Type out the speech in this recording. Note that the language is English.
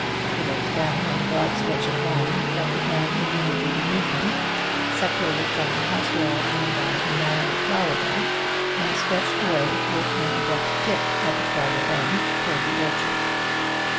He looked down on a broad stretch of lawn that began immediately beneath him, separated from the house wall only by a narrow flower bed, and stretched away with an abrupt dip at the farther end, toward the orchard.